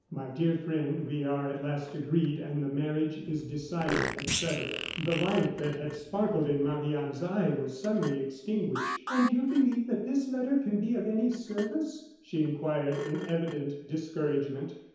"My dear friend, we are at last agreed, and the marriage is decided, etc." The light that had sparkled in Marie Anne's eye was suddenly extinguished. "And you believe that this letter can be of any service?" she inquired, in evident discouragement.